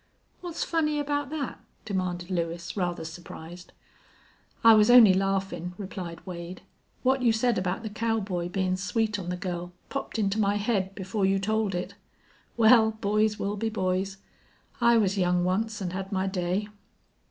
"What's funny about thet?" demanded Lewis, rather surprised. "I was only laughin'," replied Wade. "What you said about the cowboy bein' sweet on the girl popped into my head before you told it. Well, boys will be boys. I was young once an' had my day."